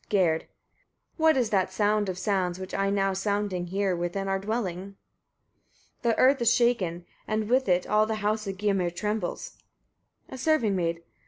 Gerd. 14. What is that sound of sounds, which I now sounding hear within our dwelling? The earth is shaken, and with it all the house of Gymir trembles. A serving maid. 15.